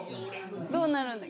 どうなるんだ？